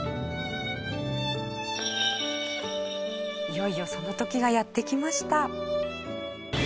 いよいよその時がやってきました。